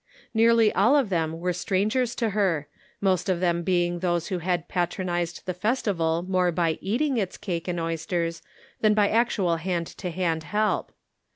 Nearly all of them were strangers to her, most of them being those who had pat ionized the festival more by eating its cake and oysters than by actual hand to hand help.